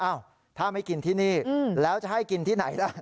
ถ้าไม่กินที่นี่แล้วจะให้กินที่ไหนได้